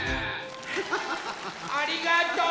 ありがとう！